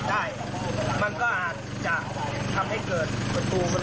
ไม่รู้ว่ามันทับประมาณกี่นาทีก็มาถึงเนี้ยเห็นชาวบ้านก็ยกประตูออกมาแล้ว